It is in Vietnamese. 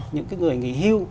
những cái người nghỉ hưu